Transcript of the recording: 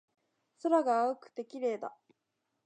空が青くて綺麗だ